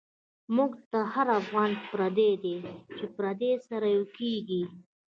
مونږ ته هر افغان پردۍ دۍ، چی پردی سره یو کیږی